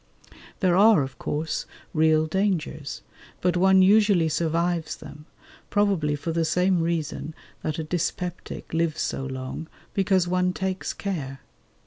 There are, of course, real dangers, but one usually survives them, probably for the same reason that a dyspeptic lives so long, because one takes care.